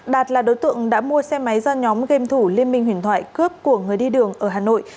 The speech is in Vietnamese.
đạt là đối tượng đã mua xe máy do nhóm game thủ liên minh huyền thoại cướp của người đi đường ở hà nội